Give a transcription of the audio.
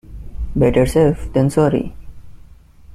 Better safe than sorry.